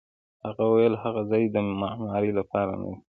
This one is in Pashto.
هغه وویل: هغه ځای د معمارۍ لپاره نه دی.